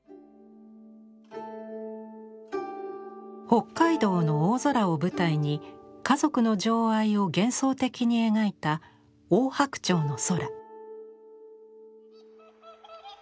北海道の大空を舞台に家族の情愛を幻想的に描いた「おおはくちょうのそら」。